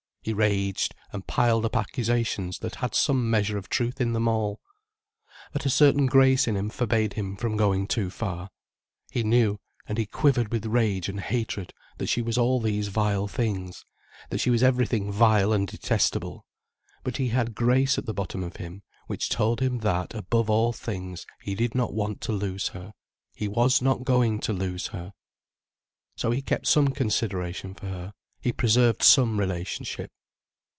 He raged, and piled up accusations that had some measure of truth in them all. But a certain grace in him forbade him from going too far. He knew, and he quivered with rage and hatred, that she was all these vile things, that she was everything vile and detestable. But he had grace at the bottom of him, which told him that, above all things, he did not want to lose her, he was not going to lose her. So he kept some consideration for her, he preserved some relationship.